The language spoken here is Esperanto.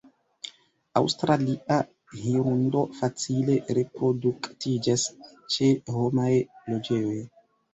Aŭstralia hirundo facile reproduktiĝas ĉe homaj loĝejoj.